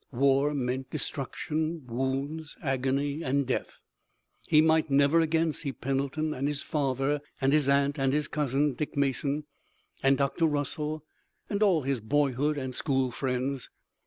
War meant destruction, wounds, agony and death. He might never again see Pendleton and his father and his aunt and his cousin, Dick Mason, and Dr. Russell and all his boyhood and school friends.